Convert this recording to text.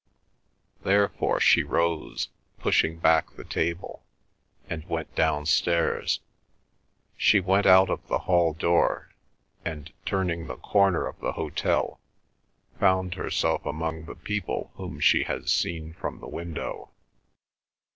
Therefore she rose, pushed back the table, and went downstairs. She went out of the hall door, and, turning the corner of the hotel, found herself among the people whom she had seen from the window.